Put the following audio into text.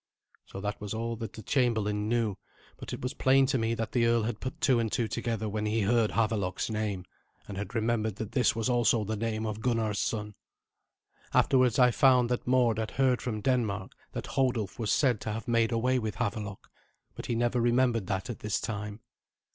So that was all that the chamberlain knew; but it was plain to me that the earl had put two and two together when he heard Havelok's name, and had remembered that this was also the name of Gunnar's son. Afterwards I found that Mord had heard from Denmark that Hodulf was said to have made away with Havelok, but he never remembered that at this time.